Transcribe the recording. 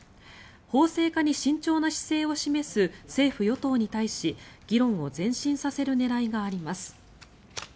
法制化に慎重な姿勢を示す政府・与党に対し議論を前進させる狙いがあります。